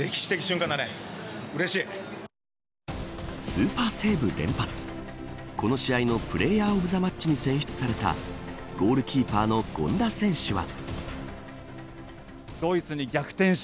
スーパーセーブ連発この試合のプレーヤー・オブ・ザ・マッチに選出されたゴールキーパーの権田選手は。